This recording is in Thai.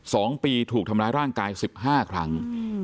สองปีถูกทำร้ายร่างกายสิบห้าครั้งอืม